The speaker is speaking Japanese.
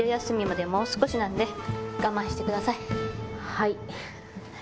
はい。